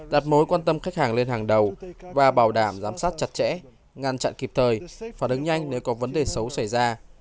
đặt mối quan tâm khách hàng lên hàng đầu và bảo đảm giám sát chặt chẽ ngăn chặn kịp thời phản ứng nhanh nếu có vấn đề xấu xảy ra